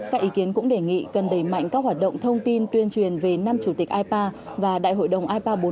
các ý kiến cũng đề nghị cần đẩy mạnh các hoạt động thông tin tuyên truyền về năm chủ tịch ipa và đại hội đồng ipa bốn mươi